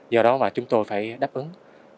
do đó mà chúng tôi phải đáp ứng